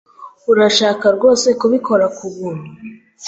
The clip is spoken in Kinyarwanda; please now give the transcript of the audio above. Urashaka rwose kubikora kubuntu?